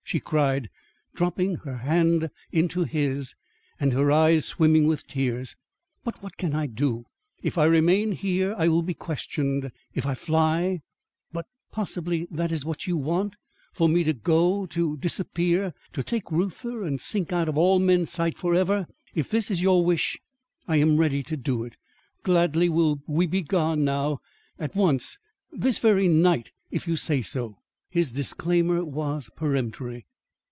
she cried, dropping her hand into his, and her eyes swimming with tears. "But what can I do? If I remain here I will be questioned. If I fly but, possibly, that is what you want; for me to go to disappear to take Reuther and sink out of all men's sight forever. If this is your wish, I am ready to do it. Gladly will we be gone now at once this very night if you say so." His disclaimer was peremptory.